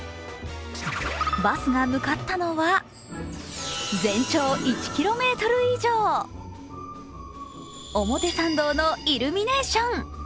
バスが向かったのは全長１ｋｍ以上、表参道のイルミネーション。